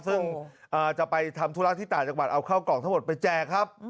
ซึ่งจะไปทำธุระที่ต่างจังหวัดเอาข้าวกล่องทั้งหมดไปแจกครับ